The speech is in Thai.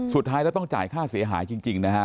สุดท้ายแล้วต้องจ่ายค่าเสียหายจริงนะฮะ